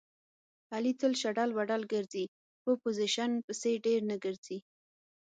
علي تل شډل بډل ګرځي. په پوزیشن پسې ډېر نه ګرځي.